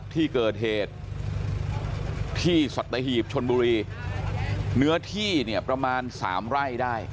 ที่เกิดเหตุที่สัตหีบชนบุรีเนื้อที่เนี่ยประมาณ๓ไร่ได้